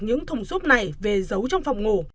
những thùng xốp này về giấu trong phòng ngủ